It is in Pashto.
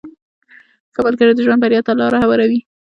• ښه ملګری د ژوند بریا ته لاره هواروي.